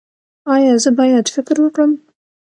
ایا زه باید فکر وکړم؟